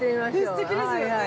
◆すてきですよね。